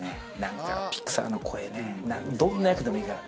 ピクサーの声ね、どんな役でもいいから。